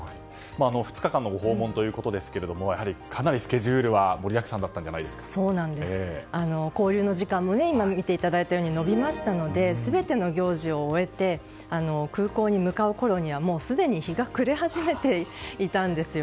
２日間のご訪問ということですがやはり、かなりスケジュールは盛りだくさんだったんじゃ交流の時間も延びましたので全ての行事を終えて空港に向かうころにはすでに日が暮れ始めていました。